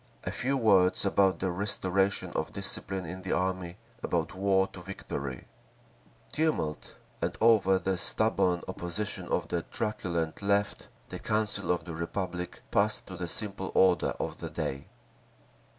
A few words about the restoration of discipline in the army, about war to victory…. Tumult, and over the stubborn opposition of the truculent Left, the Council of the Republic passed to the simple order of the day.